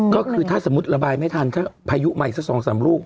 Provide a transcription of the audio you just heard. ก็คือถ้าสมมุติระบายไม่ทันถ้าพายุมาอีกสักสองสามลูก